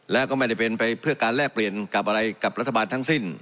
แล้วก็ไม่ได้เป็นไปเพื่อการแลกเปลี่ยนกับอะไรกับรัฐบาลทั้งสิ้น